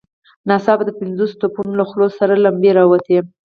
ناڅاپه د پنځوسو توپونو له خولو سرې لمبې را ووتې.